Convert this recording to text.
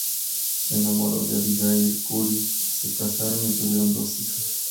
Se enamoró de Abigail Curry, se casaron y tuvieron dos hijas.